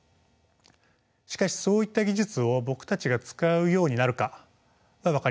しかしそういった技術を僕たちが使うようになるかは分かりません。